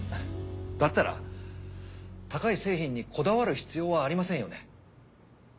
だったら高い製品にこだわる必要はありませんよね？